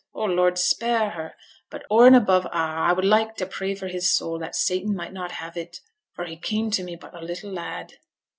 O Lord, spare her! But o'er and above a' I would like to pray for his soul, that Satan might not have it, for he came to me but a little lad.'